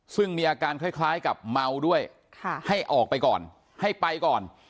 ซึ่งมีอาการคล้ายกับเมาด้วยให้ออกไปก่อนให้ไปก่อน